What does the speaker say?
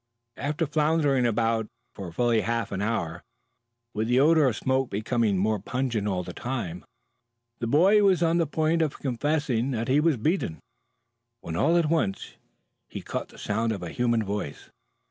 After floundering about for fully half an hour, with the odor of smoke becoming more pungent all the time, the boy was on the point of confessing that he was beaten, when all at once he caught the sound of a human voice.